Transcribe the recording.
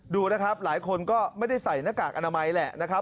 ดูนะครับหลายคนก็ไม่ได้ใส่หน้ากากอนามัยแหละนะครับ